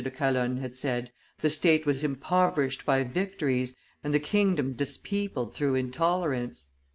de Calonne had said, "the state was impoverished by victories, and the kingdom dispeopled through intolerance."